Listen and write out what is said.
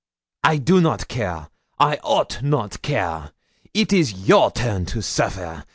I do not care I ought not care. It is your turn to suffer.